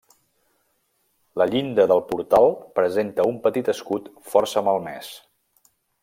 La llinda del portal presenta un petit escut força malmès.